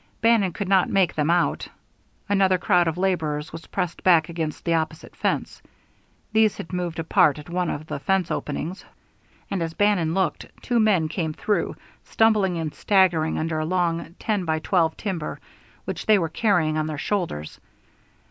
Bannon could not make them out. Another crowd of laborers was pressed back against the opposite fence. These had moved apart at one of the fence openings, and as Bannon looked, two men came through, stumbling and staggering under a long ten by twelve timber, which they were carrying on their shoulders.